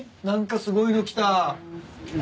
何かすごいの来た。